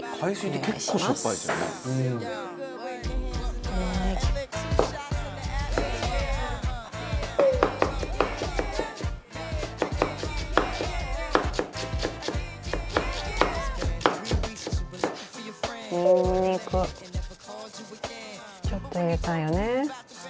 にんにくちょっと入れたいよね。